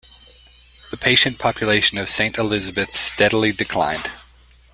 The patient population of Saint Elizabeths steadily declined.